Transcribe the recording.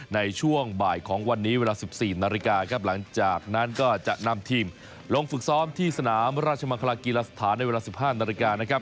ในช่วงบ่ายของวันนี้เวลา๑๔นาฬิกาครับหลังจากนั้นก็จะนำทีมลงฝึกซ้อมที่สนามราชมังคลากีฬาสถานในเวลา๑๕นาฬิกานะครับ